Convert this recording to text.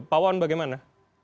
pak wawan bagaimana